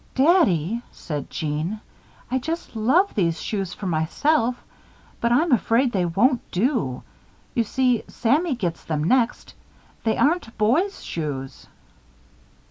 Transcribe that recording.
"Daddy," said Jeanne, "I just love these shoes for myself; but I'm afraid they won't do. You see, Sammy gets them next. They aren't boys' shoes."